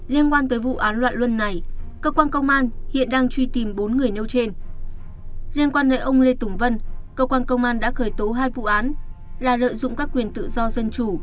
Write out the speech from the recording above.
liên quan đến ông lê tùng vân cơ quan công an đã khởi tố hai vụ án là lợi dụng các quyền tự do dân chủ